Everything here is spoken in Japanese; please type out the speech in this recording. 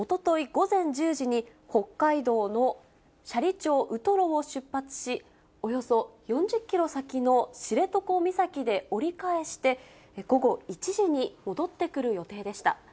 午前１０時に、北海道の斜里町ウトロを出発し、およそ４０キロ先の知床岬で折り返して、午後１時に戻ってくる予定でした。